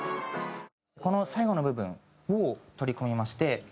この最後の部分を取り込みまして。